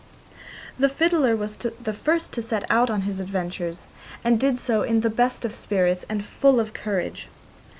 The fiddler was the first to set out on his adventures, and did so in the best of spirits and full of courage.